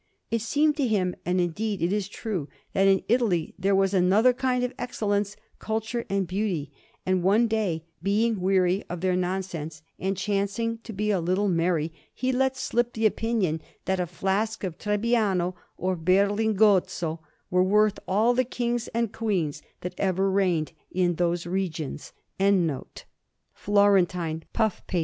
It seemed to him (and indeed it is true) that in Italy there was another kind of excellence, culture, and beauty; and one day, being weary of their nonsense, and chancing to be a little merry, he let slip the opinion that a flask of Trebbiano and a berlingozzo were worth all the Kings and Queens that had ever reigned in those regions.